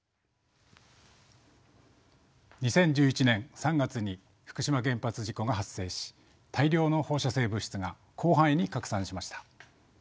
２０１１年３月に福島原発事故が発生し大量の放射性物質が広範囲に拡散しました。